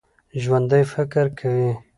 ژوندي فکر کوي